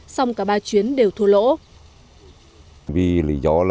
xong cả ba chuyến đều thua lỗ